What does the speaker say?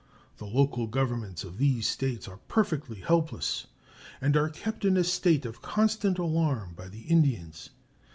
The local governments of these States are perfectly helpless and are kept in a state of constant alarm by the Indians.